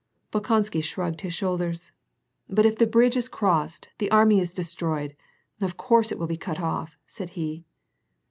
Bolkousky shrugged his shoulders. " But if the bridge is crossed, the army is destroyed ; of course it will be cut off," said he.